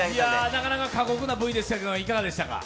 なかなか過酷なＶでしたが、いかがでしたか。